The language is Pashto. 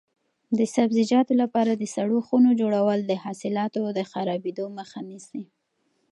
د سبزیجاتو لپاره د سړو خونو جوړول د حاصلاتو د خرابېدو مخه نیسي.